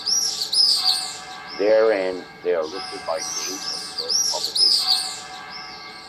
Therein they are listed by date of first publication.